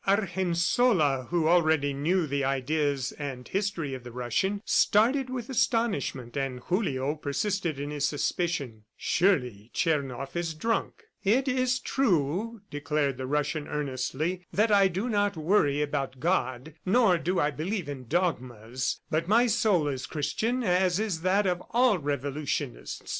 Argensola, who already knew the ideas and history of the Russian, started with astonishment, and Julio persisted in his suspicion, "Surely Tchernoff is drunk." "It is true," declared the Russian earnestly, "that I do not worry about God, nor do I believe in dogmas, but my soul is Christian as is that of all revolutionists.